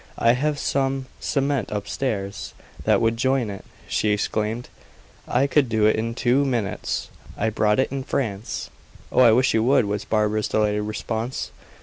"I have some cement upstairs that would join it," she exclaimed. "I could do it in two minutes. I bought it in France." "Oh, I wish you would," was Barbara's delighted response.